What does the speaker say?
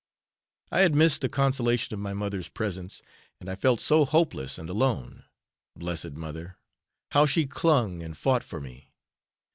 I had missed the consolation of my mother's presence, and I felt so hopeless and alone! Blessed mother! how she clung and fought for me.